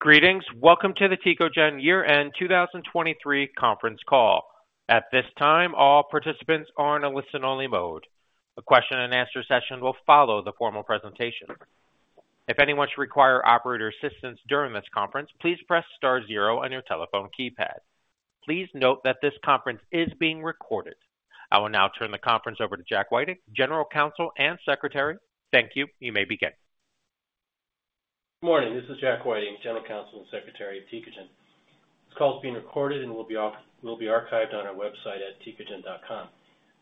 Greetings. Welcome to the Tecogen year-end 2023 Conference Call. At this time, all participants are in a listen-only mode. A question-and-answer session will follow the formal presentation. If anyone should require operator assistance during this conference, please press star 0 on your telephone keypad. Please note that this conference is being recorded. I will now turn the conference over to Jack Whiting, General Counsel and Secretary. Thank you. You may begin. Good morning. This is Jack Whiting, General Counsel and Secretary of Tecogen. This call is being recorded and will be archived on our website at tecogen.com.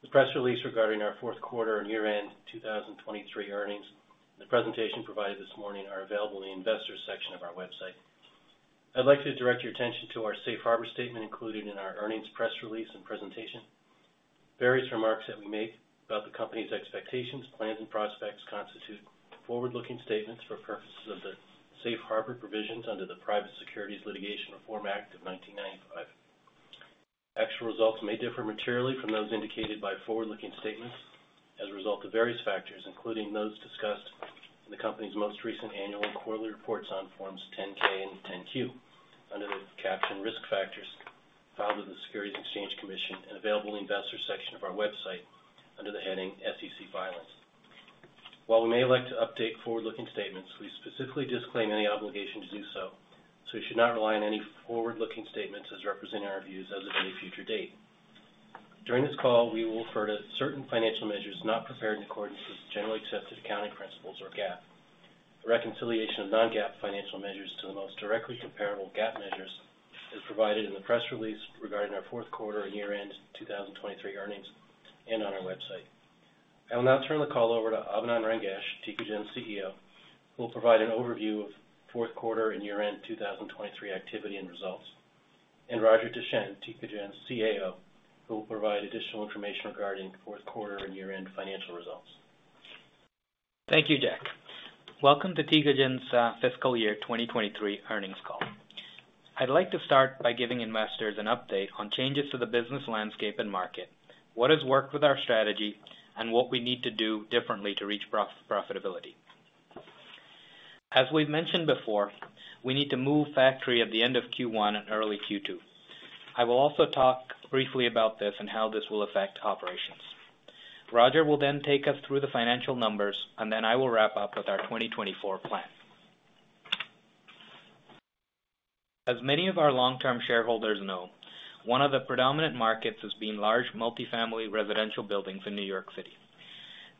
The press release regarding our fourth quarter and year-end 2023 earnings and the presentation provided this morning are available in the investors section of our website. I'd like to direct your attention to our Safe Harbor statement included in our earnings press release and presentation. Various remarks that we make about the company's expectations, plans, and prospects constitute forward-looking statements for purposes of the Safe Harbor provisions under the Private Securities Litigation Reform Act of 1995. Actual results may differ materially from those indicated by forward-looking statements as a result of various factors, including those discussed in the company's most recent annual and quarterly reports on Forms 10-K and 10-Q under the caption "Risk Factors Filed with the Securities Exchange Commission" and available in the investors section of our website under the heading "SEC Filings." While we may elect to update forward-looking statements, we specifically disclaim any obligation to do so, so you should not rely on any forward-looking statements as representing our views as of any future date. During this call, we will refer to certain financial measures not prepared in accordance with generally accepted accounting principles or GAAP. The reconciliation of non-GAAP financial measures to the most directly comparable GAAP measures is provided in the press release regarding our fourth quarter and year-end 2023 earnings and on our website. I will now turn the call over to Abinand Rangesh, Tecogen CEO, who will provide an overview of fourth quarter and year-end 2023 activity and results, and Roger Deschenes, Tecogen CAO, who will provide additional information regarding fourth quarter and year-end financial results. Thank you, Jack. Welcome to Tecogen's fiscal year 2023 earnings call. I'd like to start by giving investors an update on changes to the business landscape and market, what has worked with our strategy, and what we need to do differently to reach profitability. As we've mentioned before, we need to move factory at the end of Q1 and early Q2. I will also talk briefly about this and how this will affect operations. Roger will then take us through the financial numbers, and then I will wrap up with our 2024 plan. As many of our long-term shareholders know, one of the predominant markets has been large multifamily residential buildings in New York City.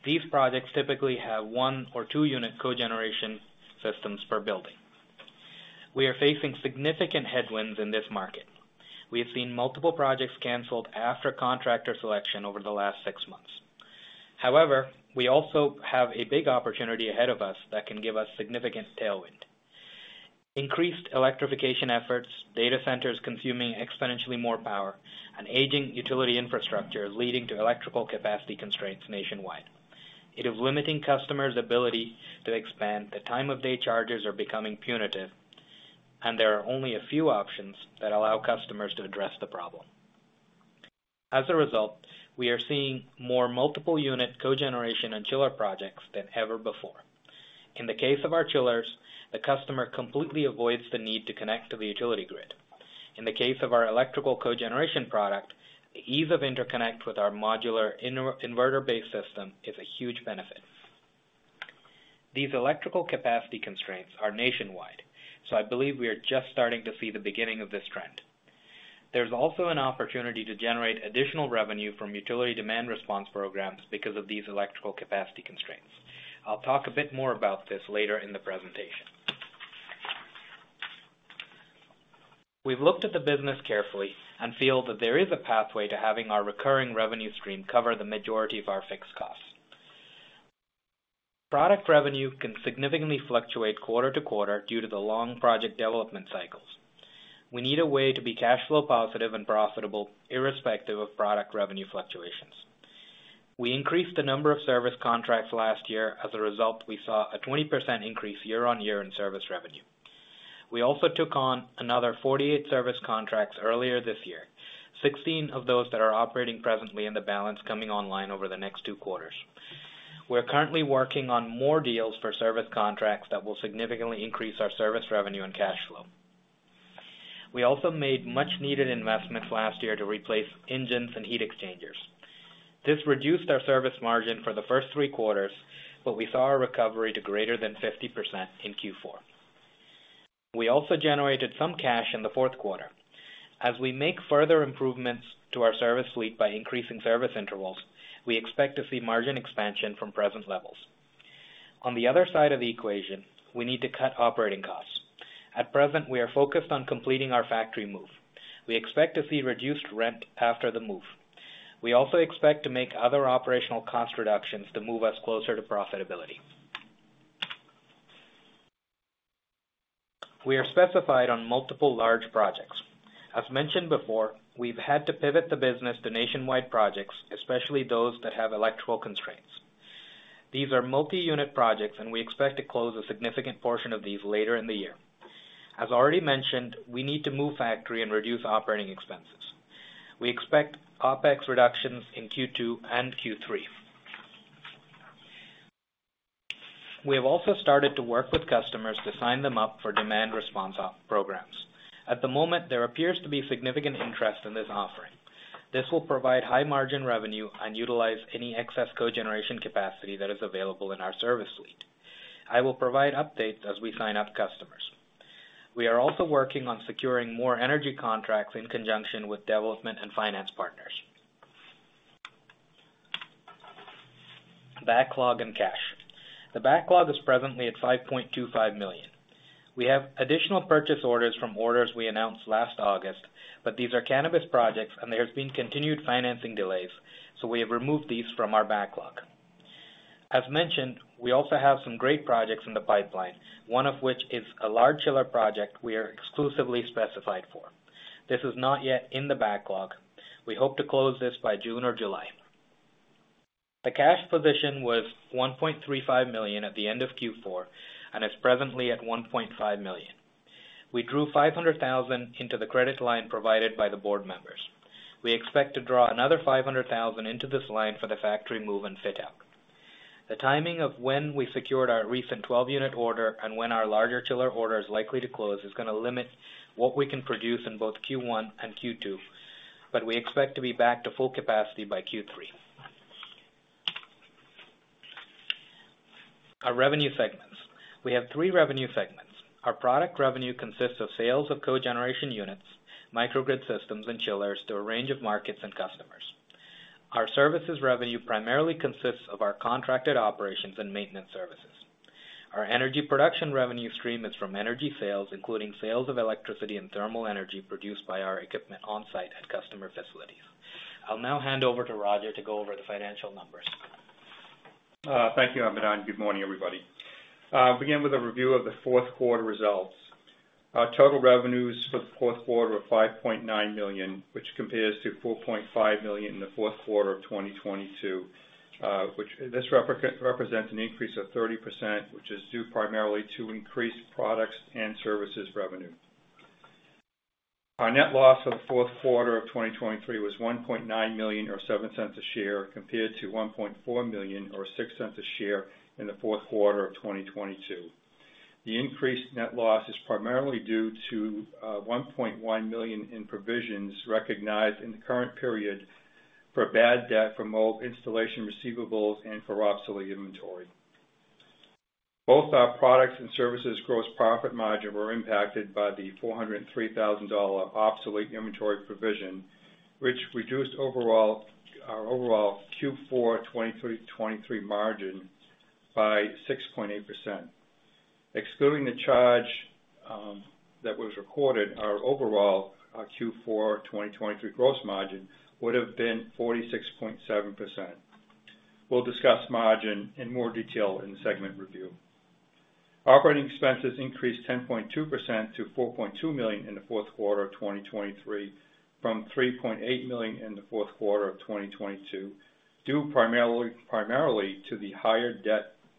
These projects typically have one- or two-unit cogeneration systems per building. We are facing significant headwinds in this market. We have seen multiple projects canceled after contractor selection over the last six months. However, we also have a big opportunity ahead of us that can give us significant tailwind. Increased electrification efforts, data centers consuming exponentially more power, and aging utility infrastructure leading to electrical capacity constraints nationwide. It is limiting customers' ability to expand, the time-of-day charges are becoming punitive, and there are only a few options that allow customers to address the problem. As a result, we are seeing more multiple-unit cogeneration and chiller projects than ever before. In the case of our chillers, the customer completely avoids the need to connect to the utility grid. In the case of our electrical cogeneration product, the ease of interconnect with our modular inverter-based system is a huge benefit. These electrical capacity constraints are nationwide, so I believe we are just starting to see the beginning of this trend. There is also an opportunity to generate additional revenue from utility demand response programs because of these electrical capacity constraints. I'll talk a bit more about this later in the presentation. We've looked at the business carefully and feel that there is a pathway to having our recurring revenue stream cover the majority of our fixed costs. Product revenue can significantly fluctuate quarter to quarter due to the long project development cycles. We need a way to be cash flow positive and profitable irrespective of product revenue fluctuations. We increased the number of service contracts last year. As a result, we saw a 20% increase year-over-year in service revenue. We also took on another 48 service contracts earlier this year, 16 of those that are operating presently in the balance coming online over the next two quarters. We're currently working on more deals for service contracts that will significantly increase our service revenue and cash flow. We also made much-needed investments last year to replace engines and heat exchangers. This reduced our service margin for the first three quarters, but we saw a recovery to greater than 50% in Q4. We also generated some cash in the fourth quarter. As we make further improvements to our service fleet by increasing service intervals, we expect to see margin expansion from present levels. On the other side of the equation, we need to cut operating costs. At present, we are focused on completing our factory move. We expect to see reduced rent after the move. We also expect to make other operational cost reductions to move us closer to profitability. We are specified on multiple large projects. As mentioned before, we've had to pivot the business to nationwide projects, especially those that have electrical constraints. These are multi-unit projects, and we expect to close a significant portion of these later in the year. As already mentioned, we need to move factory and reduce operating expenses. We expect OPEX reductions in Q2 and Q3. We have also started to work with customers to sign them up for demand response programs. At the moment, there appears to be significant interest in this offering. This will provide high-margin revenue and utilize any excess cogeneration capacity that is available in our service fleet. I will provide updates as we sign up customers. We are also working on securing more energy contracts in conjunction with development and finance partners. Backlog and cash. The backlog is presently at $5.25 million. We have additional purchase orders from orders we announced last August, but these are cannabis projects, and there have been continued financing delays, so we have removed these from our backlog. As mentioned, we also have some great projects in the pipeline, one of which is a large chiller project we are exclusively specified for. This is not yet in the backlog. We hope to close this by June or July. The cash position was $1.35 million at the end of Q4 and is presently at $1.5 million. We drew $500,000 into the credit line provided by the board members. We expect to draw another $500,000 into this line for the factory move and fit-out. The timing of when we secured our recent 12-unit order and when our larger chiller order is likely to close is going to limit what we can produce in both Q1 and Q2, but we expect to be back to full capacity by Q3. Our revenue segments. We have three revenue segments. Our product revenue consists of sales of cogeneration units, microgrid systems, and chillers to a range of markets and customers. Our services revenue primarily consists of our contracted operations and maintenance services. Our energy production revenue stream is from energy sales, including sales of electricity and thermal energy produced by our equipment on-site at customer facilities. I'll now hand over to Roger to go over the financial numbers. Thank you, Abinand. Good morning, everybody. I'll begin with a review of the fourth quarter results. Our total revenues for the fourth quarter were $5.9 million, which compares to $4.5 million in the fourth quarter of 2022, which represents an increase of 30%, which is due primarily to increased products and services revenue. Our net loss for the fourth quarter of 2023 was $1.9 million or $0.07 a share, compared to $1.4 million or $0.06 a share in the fourth quarter of 2022. The increased net loss is primarily due to $1.1 million in provisions recognized in the current period for bad debt from old installation receivables and for obsolete inventory. Both our products and services gross profit margin were impacted by the $403,000 obsolete inventory provision, which reduced our overall Q4 2023 margin by 6.8%. Excluding the charge that was recorded, our overall Q4 2023 gross margin would have been 46.7%. We'll discuss margin in more detail in the segment review. Operating expenses increased 10.2% to $4.2 million in the fourth quarter of 2023 from $3.8 million in the fourth quarter of 2022, due primarily to the higher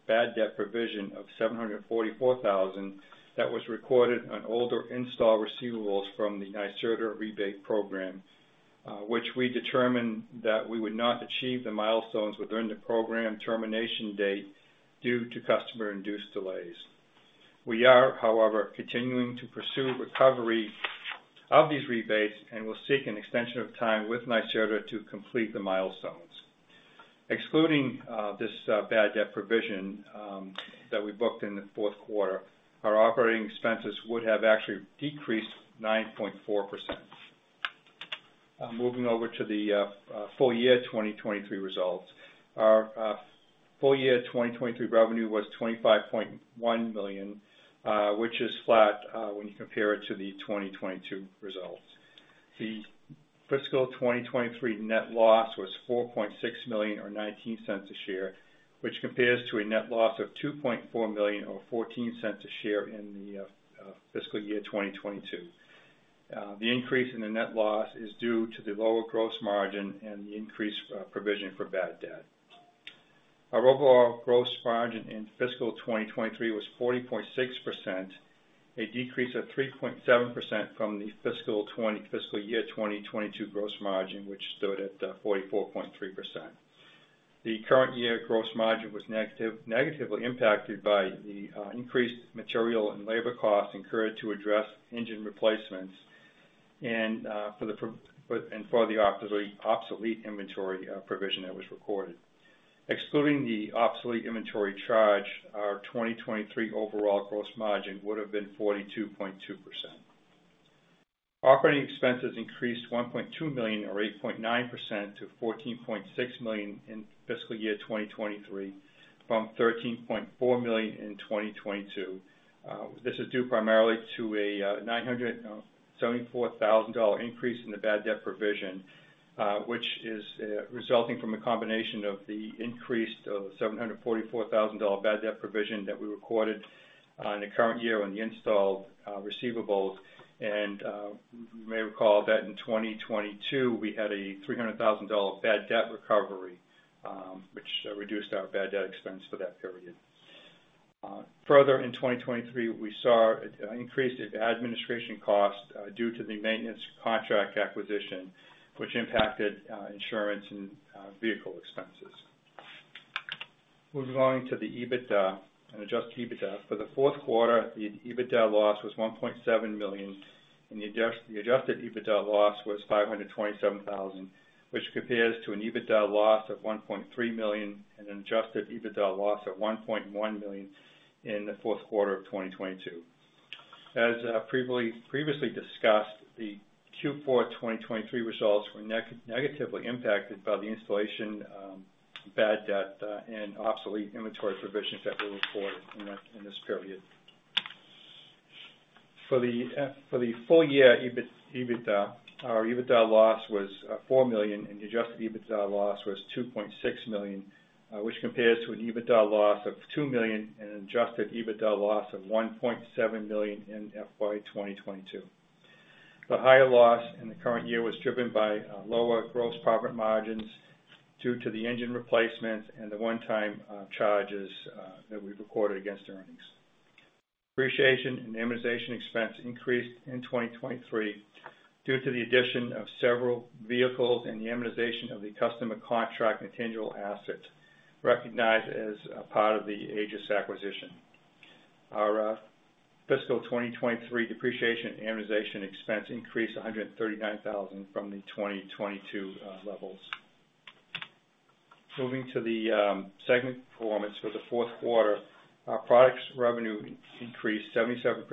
bad debt provision of $744,000 that was recorded on older install receivables from the NYSERDA rebate program, which we determined that we would not achieve the milestones within the program termination date due to customer-induced delays. We are, however, continuing to pursue recovery of these rebates, and we'll seek an extension of time with NYSERDA to complete the milestones. Excluding this bad debt provision that we booked in the fourth quarter, our operating expenses would have actually decreased 9.4%. Moving over to the full year 2023 results. Our full year 2023 revenue was $25.1 million, which is flat when you compare it to the 2022 results. The fiscal 2023 net loss was $4.6 million or $0.19 per share, which compares to a net loss of $2.4 million or $0.14 per share in the fiscal year 2022. The increase in the net loss is due to the lower gross margin and the increased provision for bad debt. Our overall gross margin in fiscal 2023 was 40.6%, a decrease of 3.7% from the fiscal year 2022 gross margin, which stood at 44.3%. The current year gross margin was negatively impacted by the increased material and labor costs incurred to address engine replacements and for the obsolete inventory provision that was recorded. Excluding the obsolete inventory charge, our 2023 overall gross margin would have been 42.2%. Operating expenses increased $1.2 million or 8.9% to $14.6 million in fiscal year 2023 from $13.4 million in 2022. This is due primarily to a $974,000 increase in the bad debt provision, which is resulting from a combination of the increased $744,000 bad debt provision that we recorded in the current year on the installed receivables. You may recall that in 2022, we had a $300,000 bad debt recovery, which reduced our bad debt expense for that period. Further, in 2023, we saw an increase in administration costs due to the maintenance contract acquisition, which impacted insurance and vehicle expenses. Moving on to the EBITDA and adjusted EBITDA. For the fourth quarter, the EBITDA loss was $1.7 million, and the adjusted EBITDA loss was $527,000, which compares to an EBITDA loss of $1.3 million and an adjusted EBITDA loss of $1.1 million in the fourth quarter of 2022. As previously discussed, the Q4 2023 results were negatively impacted by the installation bad debt and obsolete inventory provisions that were recorded in this period. For the full year, our EBITDA loss was $4 million, and the adjusted EBITDA loss was $2.6 million, which compares to an EBITDA loss of $2 million and an adjusted EBITDA loss of $1.7 million in FY 2022. The higher loss in the current year was driven by lower gross profit margins due to the engine replacements and the one-time charges that we've recorded against earnings. Depreciation and amortization expense increased in 2023 due to the addition of several vehicles and the amortization of the customer contract and tangible assets recognized as part of the Aegis acquisition. Our fiscal 2023 depreciation and amortization expense increased $139,000 from the 2022 levels. Moving to the segment performance for the fourth quarter, our products revenue increased 77%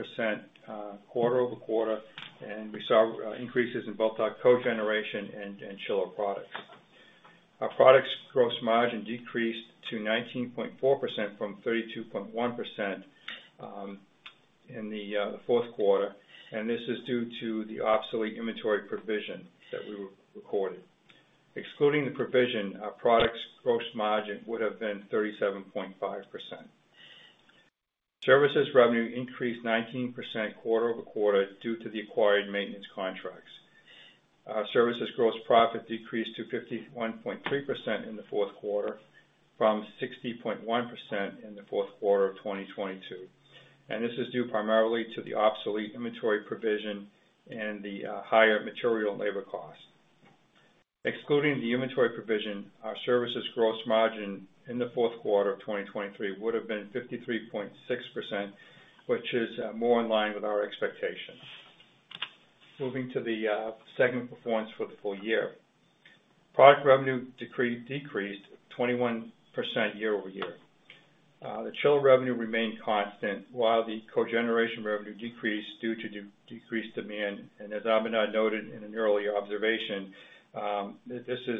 quarter-over-quarter, and we saw increases in both cogeneration and chiller products. Our products gross margin decreased to 19.4% from 32.1% in the fourth quarter, and this is due to the obsolete inventory provision that we recorded. Excluding the provision, our products gross margin would have been 37.5%. Services revenue increased 19% quarter-over-quarter due to the acquired maintenance contracts. Services gross profit decreased to 51.3% in the fourth quarter from 60.1% in the fourth quarter of 2022, and this is due primarily to the obsolete inventory provision and the higher material and labor costs. Excluding the inventory provision, our services gross margin in the fourth quarter of 2023 would have been 53.6%, which is more in line with our expectations. Moving to the segment performance for the full year, product revenue decreased 21% year-over-year. The chiller revenue remained constant, while the cogeneration revenue decreased due to decreased demand. As Abinand noted in an earlier observation, the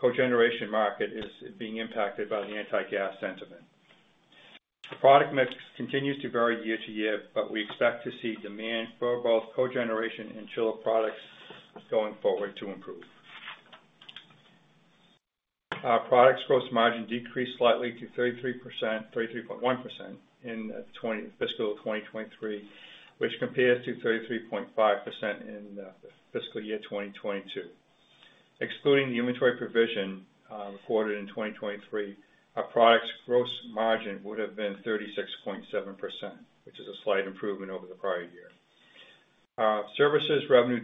cogeneration market is being impacted by the anti-gas sentiment. Product mix continues to vary year-to-year, but we expect to see demand for both cogeneration and chiller products going forward to improve. Our products gross margin decreased slightly to 33.1% in fiscal 2023, which compares to 33.5% in the fiscal year 2022. Excluding the inventory provision recorded in 2023, our products gross margin would have been 36.7%, which is a slight improvement over the prior year. Services revenue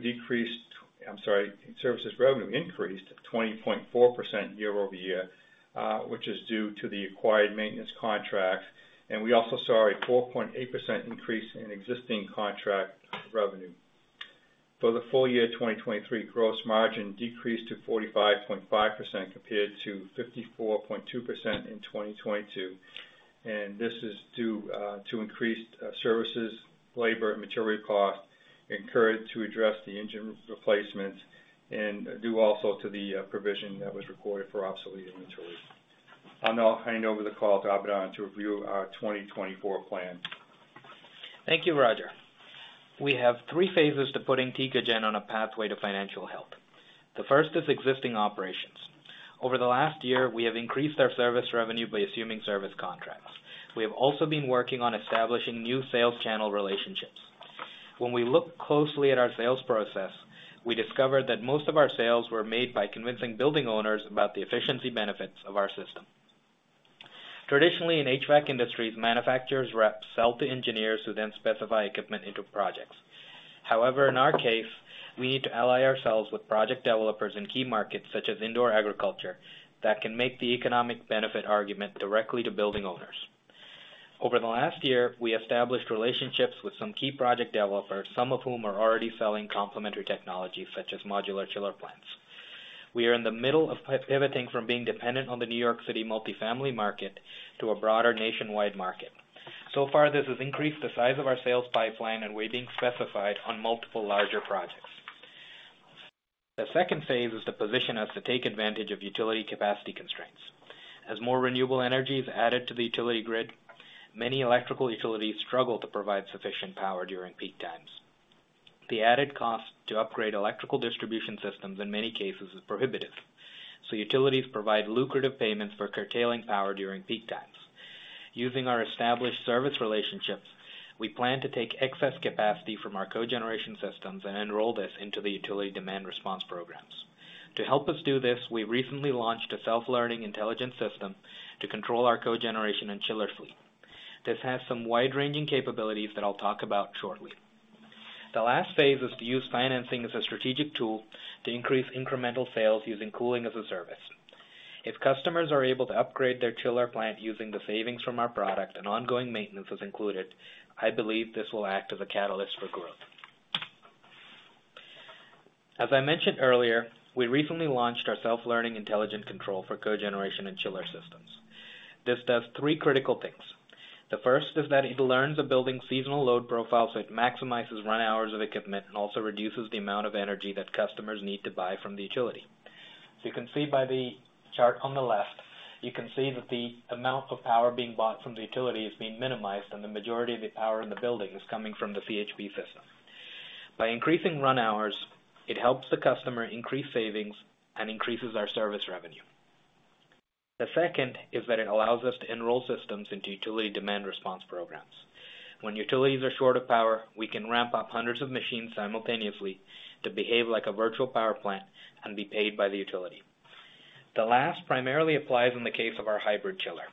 increased 20.4% year-over-year, which is due to the acquired maintenance contracts, and we also saw a 4.8% increase in existing contract revenue. For the full year 2023, gross margin decreased to 45.5% compared to 54.2% in 2022, and this is due to increased services, labor, and material costs incurred to address the engine replacements and due also to the provision that was recorded for obsolete inventory. I'll now hand over the call to Abinand to review our 2024 plan. Thank you, Roger. We have three phases to putting Tecogen on a pathway to financial health. The first is existing operations. Over the last year, we have increased our service revenue by assuming service contracts. We have also been working on establishing new sales channel relationships. When we look closely at our sales process, we discovered that most of our sales were made by convincing building owners about the efficiency benefits of our system. Traditionally, in HVAC industries, manufacturers' reps sell to engineers who then specify equipment into projects. However, in our case, we need to ally ourselves with project developers in key markets such as indoor agriculture that can make the economic benefit argument directly to building owners. Over the last year, we established relationships with some key project developers, some of whom are already selling complementary technology such as modular chiller plants. We are in the middle of pivoting from being dependent on the New York City multifamily market to a broader nationwide market. So far, this has increased the size of our sales pipeline, and we're being specified on multiple larger projects. The second phase is to position us to take advantage of utility capacity constraints. As more renewable energy is added to the utility grid, many electrical utilities struggle to provide sufficient power during peak times. The added cost to upgrade electrical distribution systems, in many cases, is prohibitive, so utilities provide lucrative payments for curtailing power during peak times. Using our established service relationships, we plan to take excess capacity from our cogeneration systems and enroll this into the utility demand response programs. To help us do this, we recently launched a self-learning intelligent system to control our cogeneration and chiller fleet. This has some wide-ranging capabilities that I'll talk about shortly. The last phase is to use financing as a strategic tool to increase incremental sales using Cooling as a Service. If customers are able to upgrade their chiller plant using the savings from our product and ongoing maintenance is included, I believe this will act as a catalyst for growth. As I mentioned earlier, we recently launched our self-learning intelligent control for cogeneration and chiller systems. This does three critical things. The first is that it learns a building's seasonal load profile so it maximizes run hours of equipment and also reduces the amount of energy that customers need to buy from the utility. So you can see by the chart on the left, you can see that the amount of power being bought from the utility is being minimized, and the majority of the power in the building is coming from the CHP system. By increasing run hours, it helps the customer increase savings and increases our service revenue. The second is that it allows us to enroll systems into utility demand response programs. When utilities are short of power, we can ramp up hundreds of machines simultaneously to behave like a virtual power plant and be paid by the utility. The last primarily applies in the case of our hybrid chiller.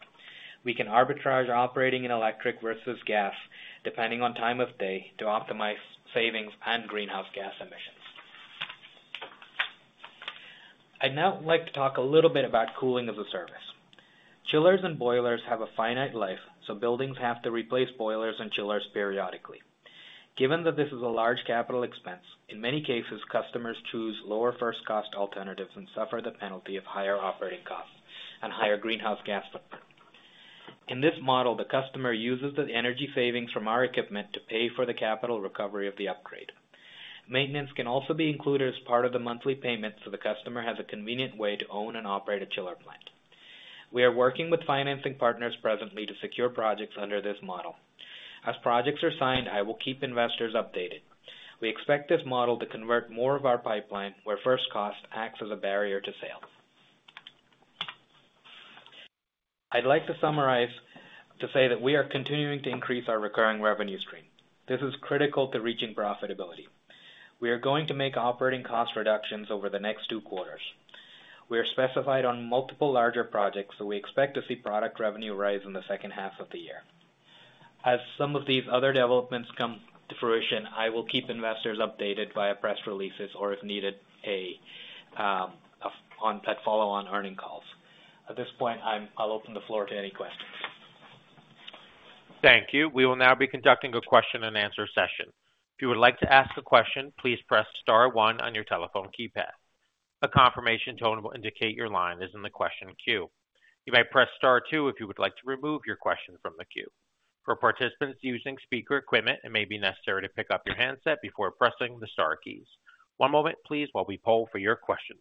We can arbitrage operating in electric versus gas, depending on time of day, to optimize savings and greenhouse gas emissions. I'd now like to talk a little bit about Cooling as a Service. Chillers and boilers have a finite life, so buildings have to replace boilers and chillers periodically. Given that this is a large capital expense, in many cases, customers choose lower first-cost alternatives and suffer the penalty of higher operating costs and higher greenhouse gas footprint. In this model, the customer uses the energy savings from our equipment to pay for the capital recovery of the upgrade. Maintenance can also be included as part of the monthly payment so the customer has a convenient way to own and operate a chiller plant. We are working with financing partners presently to secure projects under this model. As projects are signed, I will keep investors updated. We expect this model to convert more of our pipeline where first cost acts as a barrier to sales. I'd like to summarize to say that we are continuing to increase our recurring revenue stream. This is critical to reaching profitability. We are going to make operating cost reductions over the next two quarters. We are specified on multiple larger projects, so we expect to see product revenue rise in the second half of the year. As some of these other developments come to fruition, I will keep investors updated via press releases or, if needed, follow-on earnings calls. At this point, I'll open the floor to any questions. Thank you. We will now be conducting a question-and-answer session. If you would like to ask a question, please press star one on your telephone keypad. A confirmation tone will indicate your line is in the question queue. You may press star two if you would like to remove your question from the queue. For participants using speaker equipment, it may be necessary to pick up your handset before pressing the star keys. One moment, please, while we poll for your questions.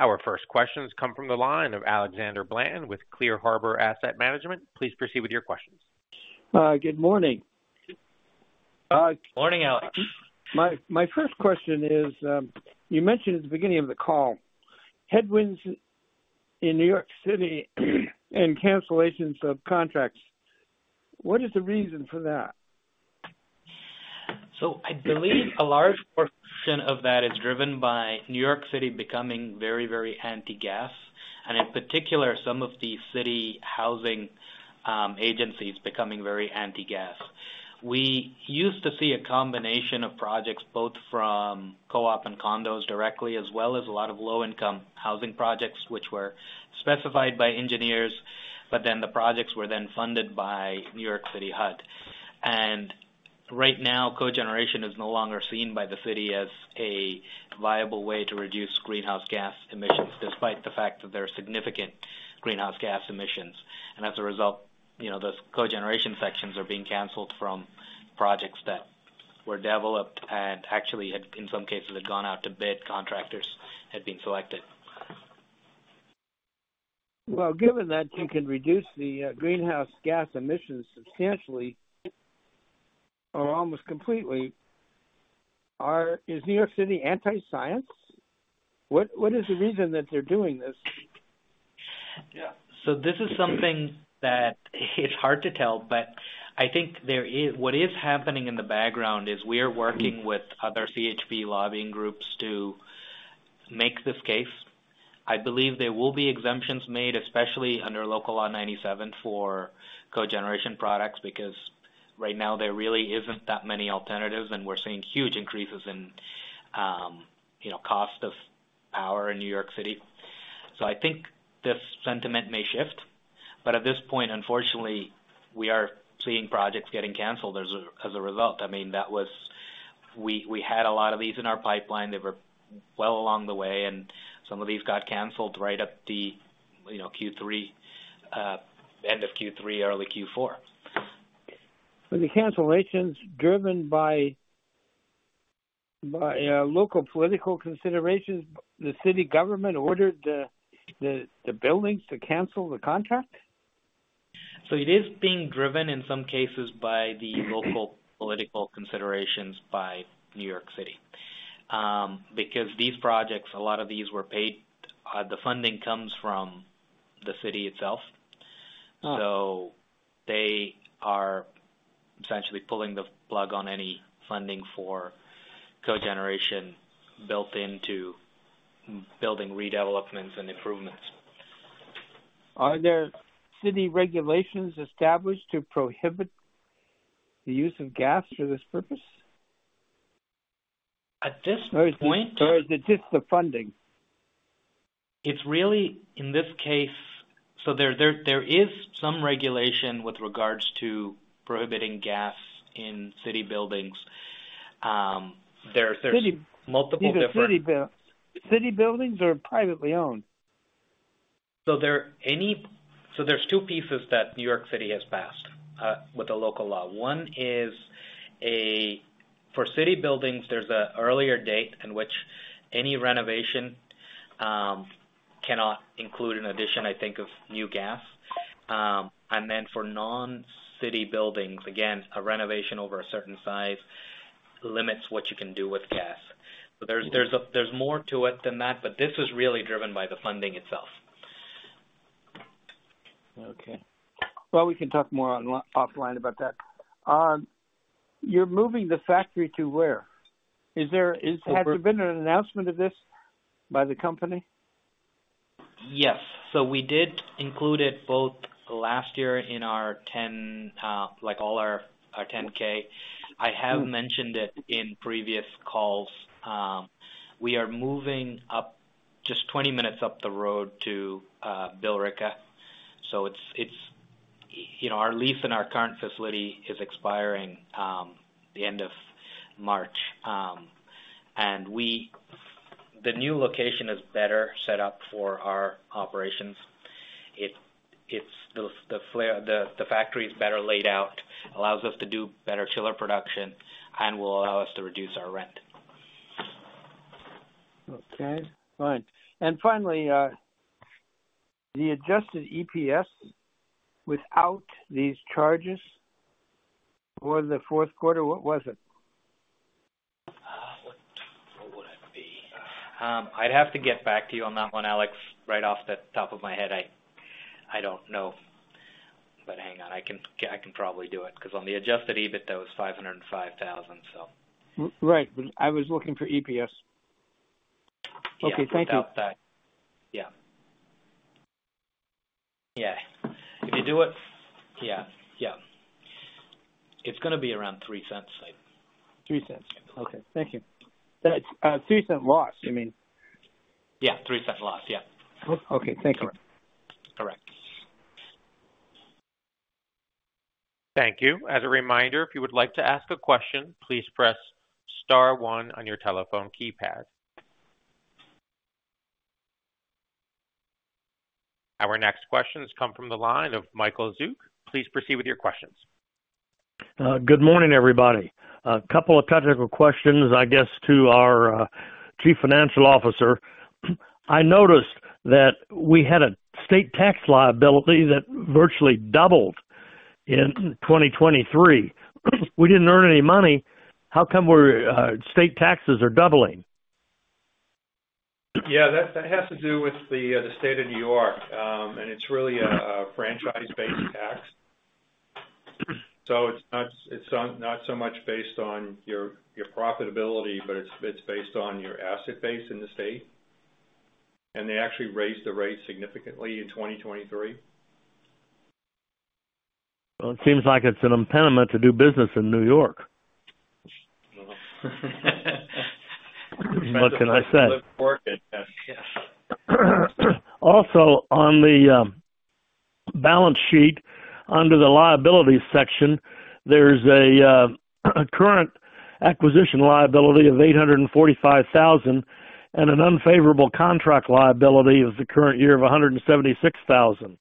Our first questions come from the line of Alexander Blanton with Clear Harbor Asset Management. Please proceed with your questions. Good morning. Morning, Alex. My first question is, you mentioned at the beginning of the call headwinds in New York City and cancellations of contracts. What is the reason for that? So I believe a large portion of that is driven by New York City becoming very, very anti-gas, and in particular, some of the city housing agencies becoming very anti-gas. We used to see a combination of projects both from co-op and condos directly, as well as a lot of low-income housing projects which were specified by engineers, but then the projects were then funded by New York City HUD. And right now, cogeneration is no longer seen by the city as a viable way to reduce greenhouse gas emissions despite the fact that there are significant greenhouse gas emissions. And as a result, those cogeneration sections are being canceled from projects that were developed and actually had, in some cases, gone out to bid; contractors had been selected. Well, given that you can reduce the greenhouse gas emissions substantially or almost completely, is New York City anti-science? What is the reason that they're doing this? Yeah. So this is something that it's hard to tell, but I think what is happening in the background is we are working with other CHP lobbying groups to make this case. I believe there will be exemptions made, especially under Local Law 97, for cogeneration products because right now, there really isn't that many alternatives, and we're seeing huge increases in cost of power in New York City. So I think this sentiment may shift, but at this point, unfortunately, we are seeing projects getting canceled as a result. I mean, we had a lot of these in our pipeline. They were well along the way, and some of these got canceled right at the end of Q3, early Q4. Were the cancellations driven by local political considerations? The city government ordered the buildings to cancel the contract? So it is being driven, in some cases, by the local political considerations by New York City because these projects, a lot of these, were paid. The funding comes from the city itself, so they are essentially pulling the plug on any funding for cogeneration built into building redevelopments and improvements. Are there city regulations established to prohibit the use of gas for this purpose at this point, or is it just the funding? It's really, in this case, so there is some regulation with regards to prohibiting gas in city buildings. There's multiple different. City buildings are privately owned? So there's two pieces that New York City has passed with the local law. One is, for city buildings, there's an earlier date in which any renovation cannot include an addition, I think, of new gas. And then for non-city buildings, again, a renovation over a certain size limits what you can do with gas. So there's more to it than that, but this is really driven by the funding itself. Okay. Well, we can talk more offline about that. You're moving the factory to where? Has there been an announcement of this by the company? Yes. So we did include it both last year in all our 10-K. I have mentioned it in previous calls. We are moving just 20 minutes up the road to Billerica. So our lease in our current facility is expiring the end of March, and the new location is better set up for our operations. The factory is better laid out, allows us to do better chiller production, and will allow us to reduce our rent. Okay. Fine. Finally, the adjusted EPS without these charges for the fourth quarter, what was it? What would it be? I'd have to get back to you on that one, Alex, right off the top of my head. I don't know. But hang on. I can probably do it because on the adjusted EBITDA, it was $505,000, so. Right. But I was looking for EPS. Okay. Thank you. Yeah. Without that, yeah. Yeah. If you do it, yeah. Yeah. It's going to be around $0.03, I believe. $0.03. Okay. Thank you. $0.03 loss, you mean? Yeah. $0.03 loss. Yeah. Okay. Thank you. Correct. Correct. Thank you. As a reminder, if you would like to ask a question, please press star one on your telephone keypad. Our next questions come from the line of Michael Zuk. Please proceed with your questions. Good morning, everybody. A couple of technical questions, I guess, to our Chief Financial Officer. I noticed that we had a state tax liability that virtually doubled in 2023. We didn't earn any money. How come state taxes are doubling? Yeah. That has to do with the state of New York, and it's really a franchise-based tax. It's not so much based on your profitability, but it's based on your asset base in the state. They actually raised the rate significantly in 2023. Well, it seems like it's an impediment to do business in New York. What can I say? Depends on who lives and works it. Yes. Also, on the balance sheet, under the liabilities section, there's a current acquisition liability of $845,000 and an unfavorable contract liability of the current year of $176,000.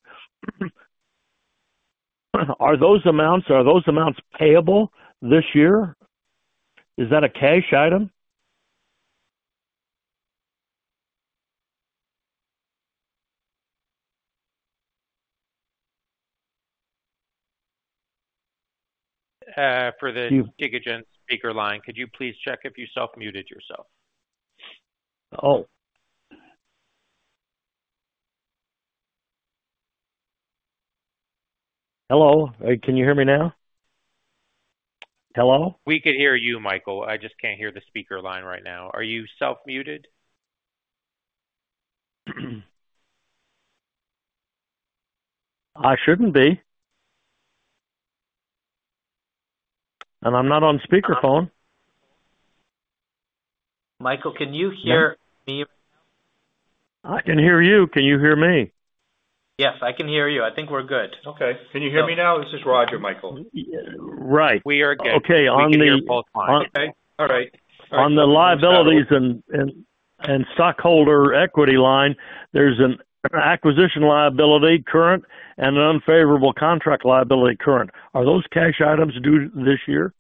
Are those amounts payable this year? Is that a cash item? For the Tecogen speaker line, could you please check if you self-muted yourself? Oh. Hello? Can you hear me now? Hello? We could hear you, Michael. I just can't hear the speaker line right now. Are you self-muted? I shouldn't be. I'm not on speakerphone. Michael, can you hear me right now? I can hear you. Can you hear me? Yes. I can hear you. I think we're good. Okay. Can you hear me now? This is Roger, Michael. Right. We are good. We can hear you on both lines. Okay. All right. All right. On the liabilities and stockholder equity line, there's an acquisition liability current and an unfavorable contract liability current. Are those cash items due this year?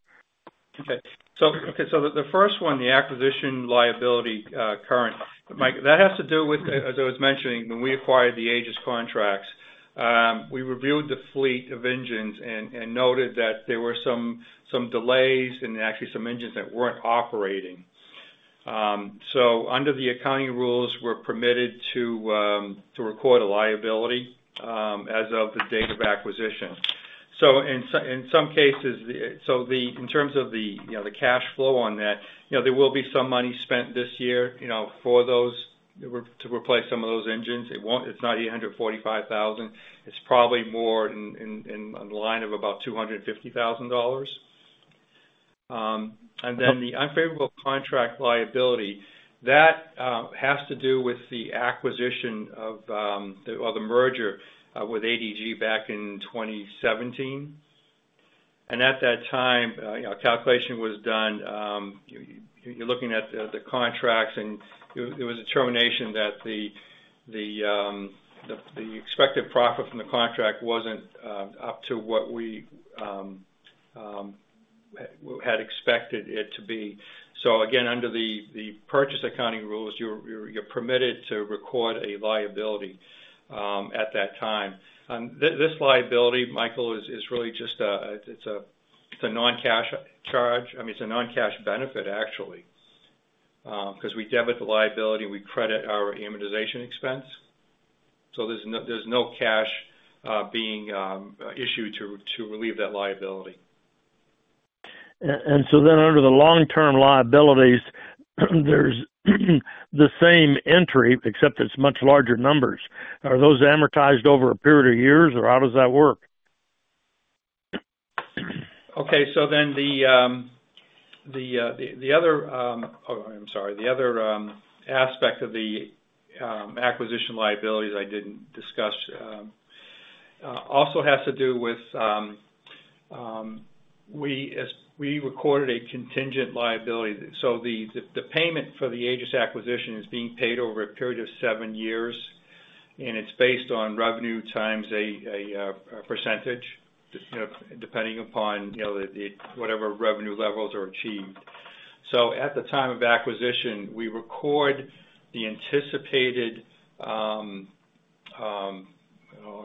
Okay. So the first one, the acquisition liability current, Mike, that has to do with, as I was mentioning, when we acquired the Aegis contracts, we reviewed the fleet of engines and noted that there were some delays and actually some engines that weren't operating. So under the accounting rules, we're permitted to record a liability as of the date of acquisition. So in some cases, so in terms of the cash flow on that, there will be some money spent this year for those to replace some of those engines. It's not $845,000. It's probably more in the line of about $250,000. And then the unfavorable contract liability, that has to do with the acquisition or the merger with ADG back in 2017. And at that time, calculation was done. You're looking at the contracts, and there was a determination that the expected profit from the contract wasn't up to what we had expected it to be. So again, under the purchase accounting rules, you're permitted to record a liability at that time. This liability, Michael, is really just a, it's a non-cash charge. I mean, it's a non-cash benefit, actually, because we debit the liability and we credit our amortization expense. So there's no cash being issued to relieve that liability. Under the long-term liabilities, there's the same entry, except it's much larger numbers. Are those amortized over a period of years, or how does that work? Okay. So then, oh, I'm sorry. The other aspect of the acquisition liabilities I didn't discuss also has to do with we recorded a contingent liability. So the payment for the Aegis acquisition is being paid over a period of seven years, and it's based on revenue times a percentage, depending upon whatever revenue levels are achieved. So at the time of acquisition, we record the anticipated I'll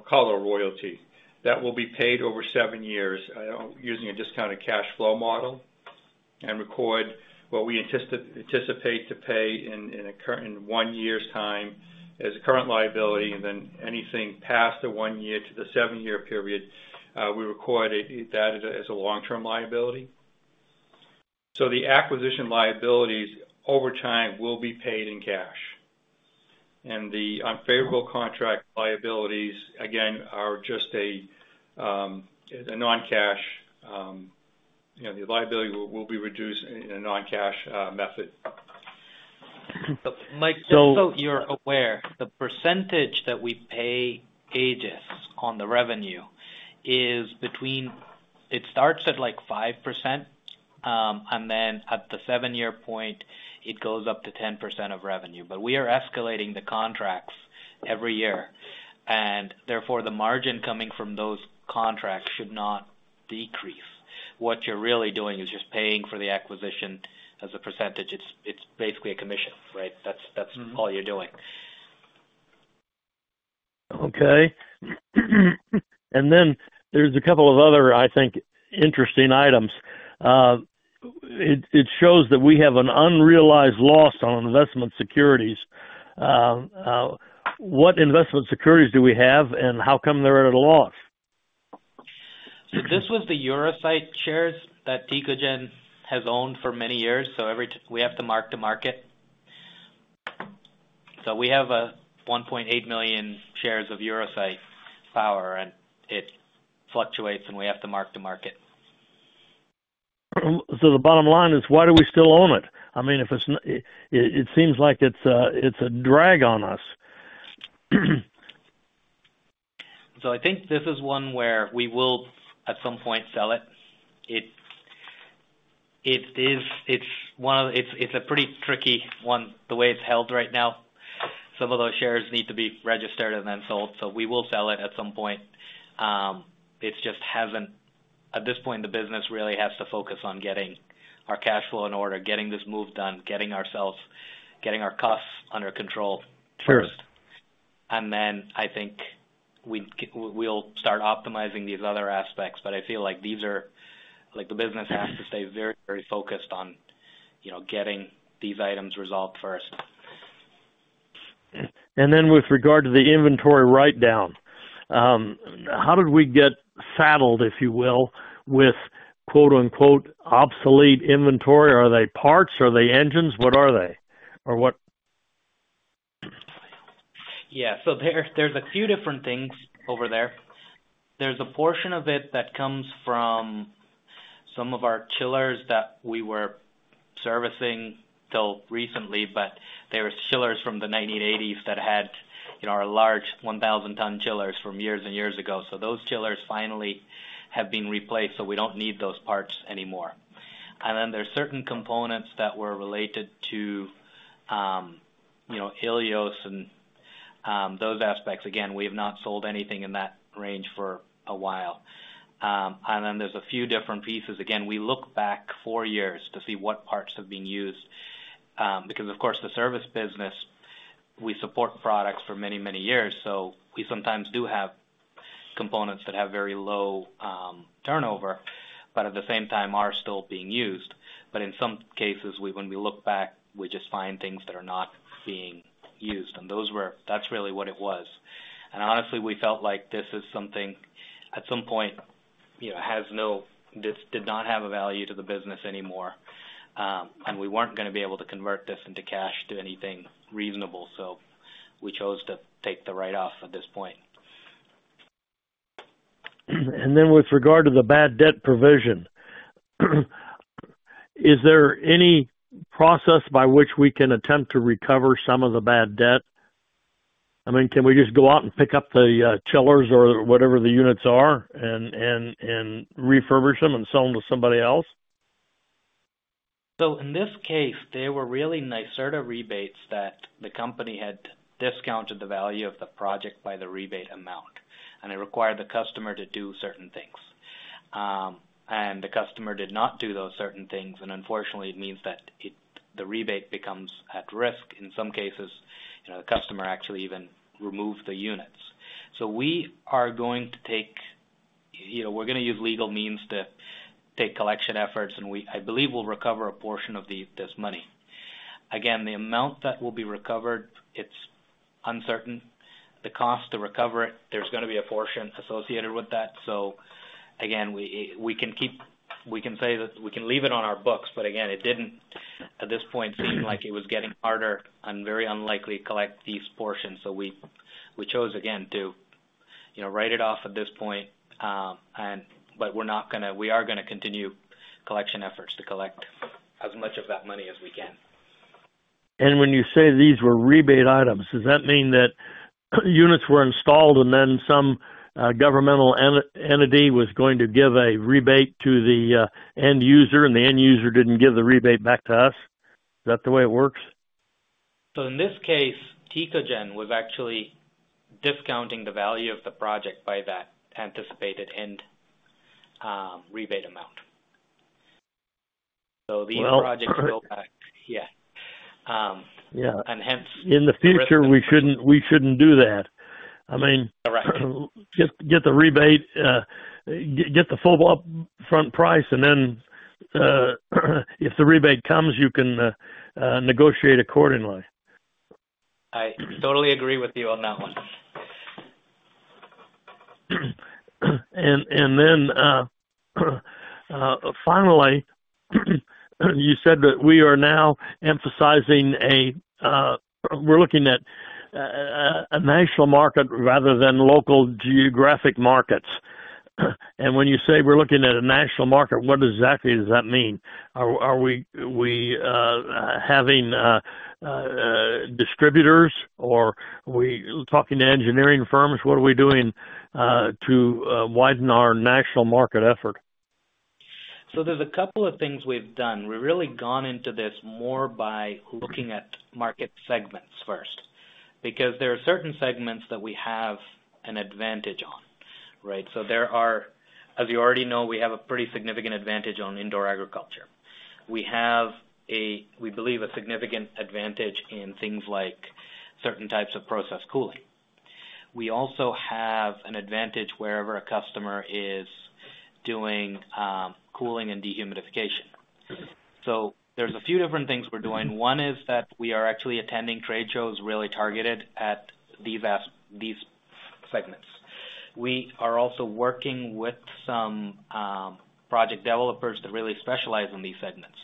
call it a royalty. That will be paid over seven years using a discounted cash flow model and record what we anticipate to pay in one year's time as a current liability. And then anything past the one year to the seven-year period, we record that as a long-term liability. So the acquisition liabilities over time will be paid in cash. And the unfavorable contract liabilities, again, are just a non-cash the liability will be reduced in a non-cash method. Mike, just so you're aware, the percentage that we pay Aegis on the revenue is between it starts at 5%, and then at the seven-year point, it goes up to 10% of revenue. But we are escalating the contracts every year, and therefore, the margin coming from those contracts should not decrease. What you're really doing is just paying for the acquisition as a percentage. It's basically a commission, right? That's all you're doing. Okay. Then there's a couple of other, I think, interesting items. It shows that we have an unrealized loss on investment securities. What investment securities do we have, and how come they're at a loss? This was the EuroSite shares that Tecogen has owned for many years, so we have to mark to market. We have 1.8 million shares of EuroSite Power, and it fluctuates, and we have to mark to market. The bottom line is, why do we still own it? I mean, it seems like it's a drag on us. So I think this is one where we will, at some point, sell it. It's a pretty tricky one, the way it's held right now. Some of those shares need to be registered and then sold, so we will sell it at some point. It just hasn't, at this point, the business really has to focus on getting our cash flow in order, getting this move done, getting our costs under control first. And then I think we'll start optimizing these other aspects, but I feel like these are the business has to stay very, very focused on getting these items resolved first. And then with regard to the inventory write-down, how did we get saddled, if you will, with "obsolete inventory"? Are they parts? Are they engines? Or what? Yeah. So there's a few different things over there. There's a portion of it that comes from some of our chillers that we were servicing till recently, but they were chillers from the 1980s that had our large 1,000-ton chillers from years and years ago. So those chillers finally have been replaced, so we don't need those parts anymore. And then there's certain components that were related to Ilios and those aspects. Again, we have not sold anything in that range for a while. And then there's a few different pieces. Again, we look back four years to see what parts have been used because, of course, the service business, we support products for many, many years, so we sometimes do have components that have very low turnover but at the same time are still being used. In some cases, when we look back, we just find things that are not being used, and that's really what it was. Honestly, we felt like this is something, at some point, it did not have a value to the business anymore, and we weren't going to be able to convert this into cash to anything reasonable, so we chose to take the write-off at this point. And then with regard to the Bad Debt Provision, is there any process by which we can attempt to recover some of the bad debt? I mean, can we just go out and pick up the chillers or whatever the units are and refurbish them and sell them to somebody else? So in this case, they were really NYSERDA rebates that the company had discounted the value of the project by the rebate amount, and it required the customer to do certain things. And the customer did not do those certain things, and unfortunately, it means that the rebate becomes at risk. In some cases, the customer actually even removed the units. So we are going to use legal means to take collection efforts, and I believe we'll recover a portion of this money. Again, the amount that will be recovered, it's uncertain. The cost to recover it, there's going to be a portion associated with that. So again, we can say that we can leave it on our books, but again, it didn't, at this point, seem like it was getting harder and very unlikely to collect these portions, so we chose, again, to write it off at this point. But we are going to continue collection efforts to collect as much of that money as we can. When you say these were rebate items, does that mean that units were installed and then some governmental entity was going to give a rebate to the end user, and the end user didn't give the rebate back to us? Is that the way it works? So in this case, Tecogen was actually discounting the value of the project by that anticipated end rebate amount. So these projects go back. Yeah. And hence. In the future, we shouldn't do that. I mean. Correct. Get the rebate, get the full upfront price, and then if the rebate comes, you can negotiate accordingly. I totally agree with you on that one. And then finally, you said that we are now emphasizing we're looking at a national market rather than local geographic markets. And when you say we're looking at a national market, what exactly does that mean? Are we having distributors, or are we talking to engineering firms? What are we doing to widen our national market effort? So there's a couple of things we've done. We've really gone into this more by looking at market segments first because there are certain segments that we have an advantage on, right? So there are as you already know, we have a pretty significant advantage on indoor agriculture. We have, we believe, a significant advantage in things like certain types of processed cooling. We also have an advantage wherever a customer is doing cooling and dehumidification. So there's a few different things we're doing. One is that we are actually attending trade shows really targeted at these segments. We are also working with some project developers that really specialize in these segments.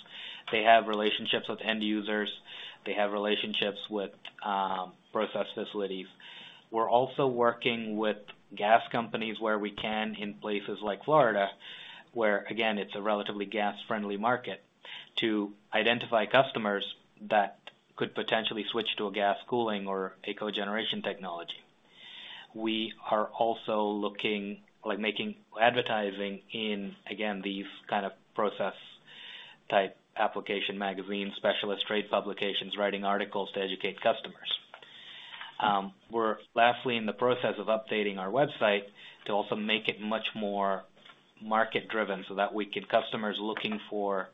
They have relationships with end users. They have relationships with processed facilities. We're also working with gas companies where we can in places like Florida, where, again, it's a relatively gas-friendly market, to identify customers that could potentially switch to a gas cooling or a cogeneration technology. We are also looking making advertising in, again, these kind of process-type application magazines, specialist trade publications, writing articles to educate customers. We're lastly in the process of updating our website to also make it much more market-driven so that we can customers looking for,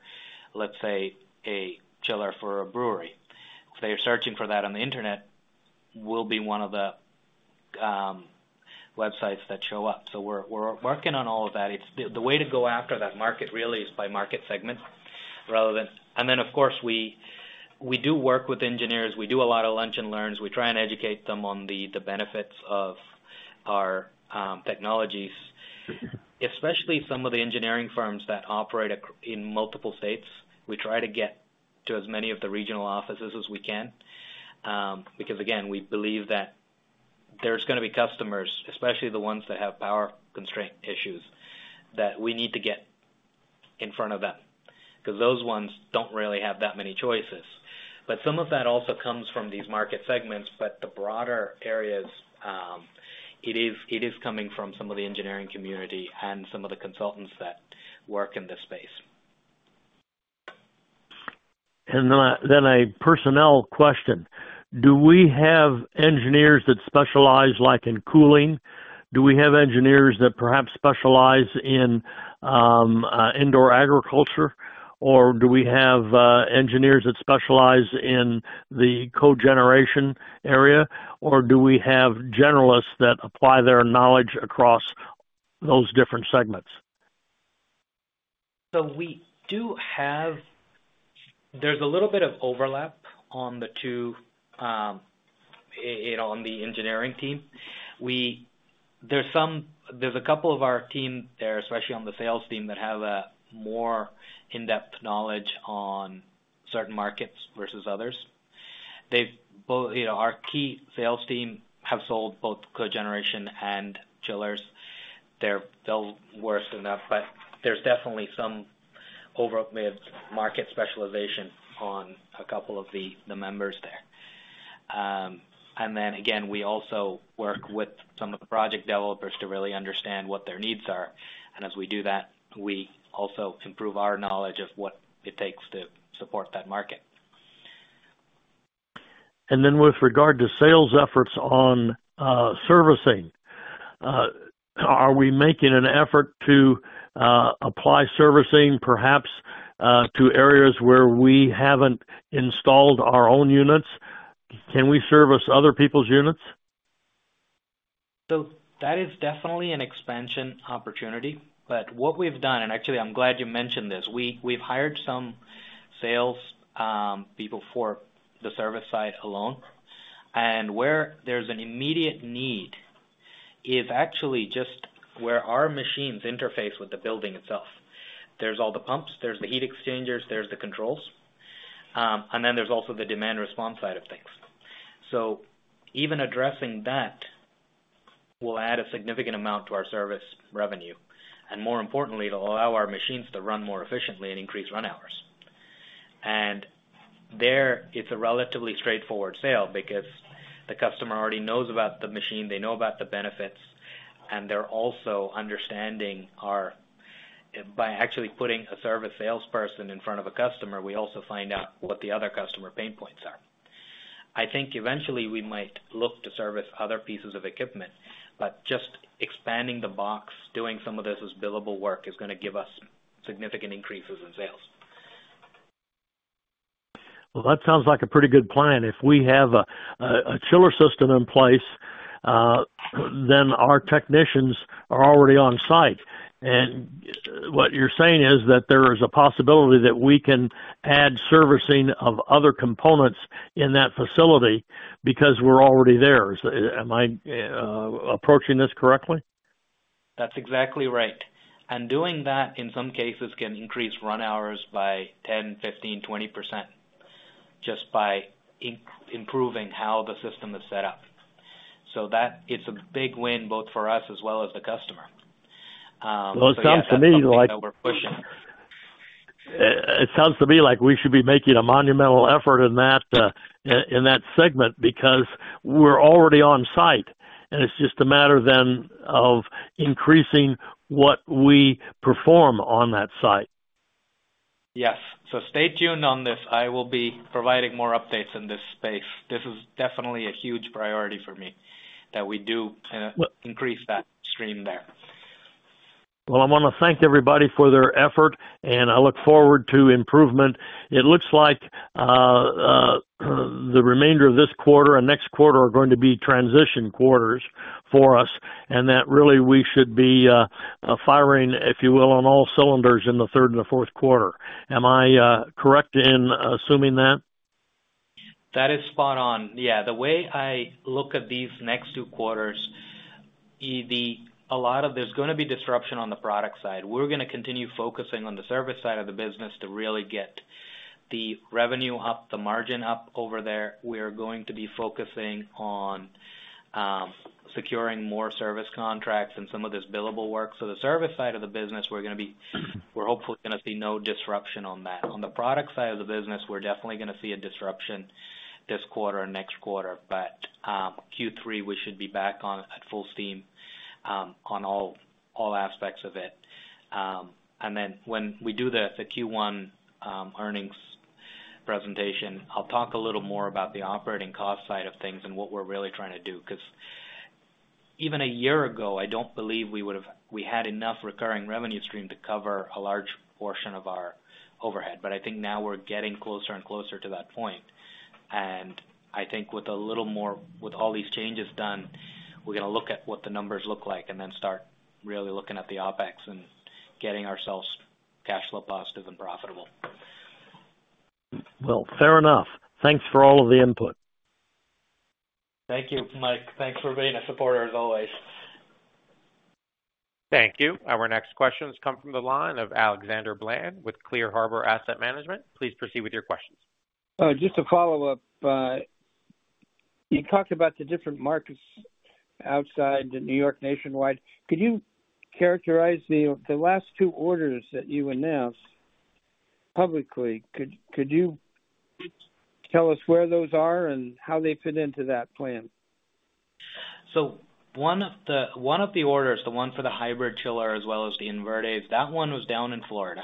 let's say, a chiller for a brewery. If they are searching for that on the internet, we'll be one of the websites that show up. So we're working on all of that. The way to go after that market really is by market segment rather than and then, of course, we do work with engineers. We do a lot of lunch-and-learns. We try and educate them on the benefits of our technologies, especially some of the engineering firms that operate in multiple states. We try to get to as many of the regional offices as we can because, again, we believe that there's going to be customers, especially the ones that have power constraint issues, that we need to get in front of them because those ones don't really have that many choices. Some of that also comes from these market segments, but the broader areas, it is coming from some of the engineering community and some of the consultants that work in this space. Then a personnel question. Do we have engineers that specialize in cooling? Do we have engineers that perhaps specialize in indoor agriculture, or do we have engineers that specialize in the cogeneration area, or do we have generalists that apply their knowledge across those different segments? So we do have there's a little bit of overlap on the two on the engineering team. There's a couple of our team there, especially on the sales team, that have more in-depth knowledge on certain markets versus others. Our key sales team have sold both cogeneration and chillers. They're worse than that, but there's definitely some over mid-market specialization on a couple of the members there. And then, again, we also work with some of the project developers to really understand what their needs are, and as we do that, we also improve our knowledge of what it takes to support that market. And then with regard to sales efforts on servicing, are we making an effort to apply servicing, perhaps, to areas where we haven't installed our own units? Can we service other people's units? So that is definitely an expansion opportunity, but what we've done, and actually, I'm glad you mentioned this. We've hired some salespeople for the service side alone, and where there's an immediate need is actually just where our machines interface with the building itself. There's all the pumps. There's the heat exchangers. There's the controls. And then there's also the demand response side of things. So even addressing that will add a significant amount to our service revenue, and more importantly, it'll allow our machines to run more efficiently and increase run hours. And there, it's a relatively straightforward sale because the customer already knows about the machine. They know about the benefits, and they're also understanding our by actually putting a service salesperson in front of a customer, we also find out what the other customer pain points are. I think eventually, we might look to service other pieces of equipment, but just expanding the box, doing some of this as billable work is going to give us significant increases in sales. Well, that sounds like a pretty good plan. If we have a chiller system in place, then our technicians are already on site. And what you're saying is that there is a possibility that we can add servicing of other components in that facility because we're already there. Am I approaching this correctly? That's exactly right. And doing that, in some cases, can increase run hours by 10%, 15%, 20% just by improving how the system is set up. So it's a big win both for us as well as the customer. Well, it sounds to me like. That we're pushing. It sounds to me like we should be making a monumental effort in that segment because we're already on site, and it's just a matter then of increasing what we perform on that site. Yes. Stay tuned on this. I will be providing more updates in this space. This is definitely a huge priority for me that we do increase that stream there. Well, I want to thank everybody for their effort, and I look forward to improvement. It looks like the remainder of this quarter and next quarter are going to be transition quarters for us, and that really we should be firing, if you will, on all cylinders in the third and the fourth quarter. Am I correct in assuming that? That is spot on. Yeah. The way I look at these next two quarters, a lot of there's going to be disruption on the product side. We're going to continue focusing on the service side of the business to really get the revenue up, the margin up over there. We are going to be focusing on securing more service contracts and some of this billable work. So the service side of the business, we're hopefully going to see no disruption on that. On the product side of the business, we're definitely going to see a disruption this quarter and next quarter, but Q3, we should be back at full steam on all aspects of it. Then when we do the Q1 earnings presentation, I'll talk a little more about the operating cost side of things and what we're really trying to do because even a year ago, I don't believe we had enough recurring revenue stream to cover a large portion of our overhead, but I think now we're getting closer and closer to that point. I think with a little more with all these changes done, we're going to look at what the numbers look like and then start really looking at the OpEx and getting ourselves cash flow positive and profitable. Well, fair enough. Thanks for all of the input. Thank you, Mike. Thanks for being a supporter as always. Thank you. Our next questions come from the line of Alexander Blanton with Clear Harbor Asset Management. Please proceed with your questions. Just a follow-up. You talked about the different markets outside New York nationwide. Could you characterize the last two orders that you announced publicly? Could you tell us where those are and how they fit into that plan? So one of the orders, the one for the hybrid chiller as well as the inverters, that one was down in Florida.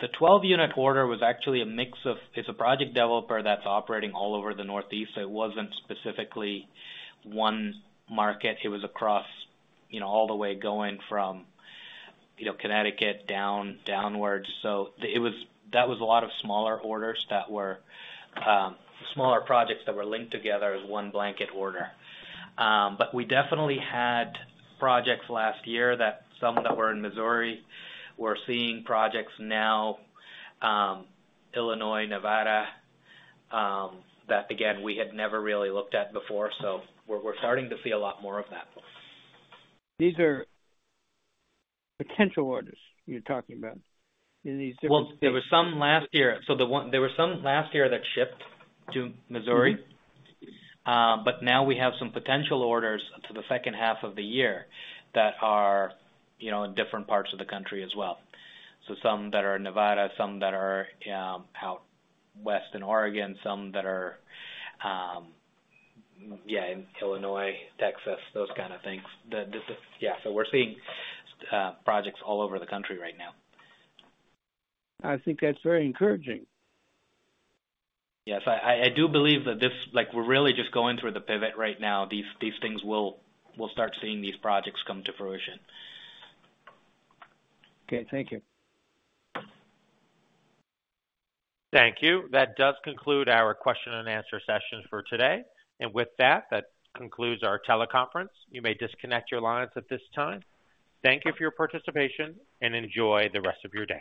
The 12-unit order was actually a mix of it's a project developer that's operating all over the Northeast, so it wasn't specifically one market. It was across all the way going from Connecticut downwards. So that was a lot of smaller orders that were smaller projects that were linked together as one blanket order. But we definitely had projects last year that some that were in Missouri were seeing projects now, Illinois, Nevada that, again, we had never really looked at before, so we're starting to see a lot more of that. These are potential orders you're talking about in these different. Well, there were some last year. So there were some last year that shipped to Missouri, but now we have some potential orders to the second half of the year that are in different parts of the country as well. So some that are in Nevada, some that are out west in Oregon, some that are, yeah, in Illinois, Texas, those kind of things. Yeah. So we're seeing projects all over the country right now. I think that's very encouraging. Yes. I do believe that this, we're really just going through the pivot right now. These things will start seeing these projects come to fruition. Okay. Thank you. Thank you. That does conclude our question-and-answer session for today. With that, that concludes our teleconference. You may disconnect your lines at this time. Thank you for your participation, and enjoy the rest of your day.